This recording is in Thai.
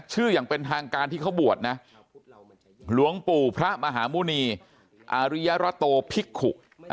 อย่างเป็นทางการที่เขาบวชนะหลวงปู่พระมหาหมุณีอาริยรโตภิกขุ